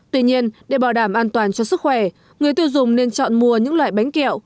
tuy nhiên để bảo đảm an toàn cho sức khỏe người tiêu dùng nên chọn mua những loại bánh kẹo